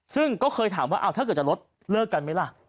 ซึ่งก็เคยถามว่าถ้าเกิดจะลดเลิกกันไหมล่ะ